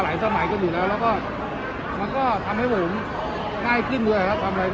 หลายสมัยก็อยู่แล้วแล้วก็มันก็ทำให้ผมง่ายขึ้นด้วยเรากำลักคม